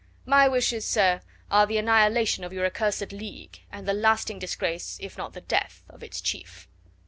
My wishes, sir, are the annihilation of your accursed League, and the lasting disgrace, if not the death, of its chief."